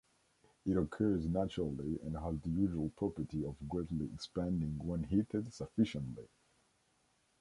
It occurs naturally and has the unusual property of greatly expanding when heated sufficiently.